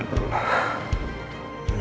rasanya udah benar benar lelah